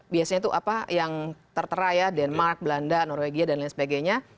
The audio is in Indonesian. biasanya itu apa yang tertera ya denmark belanda norwegia dan lain sebagainya